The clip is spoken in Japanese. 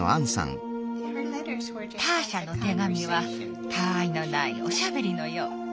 ターシャの手紙はたあいのないおしゃべりのよう。